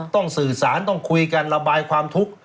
สื่อสารต้องคุยกันระบายความทุกข์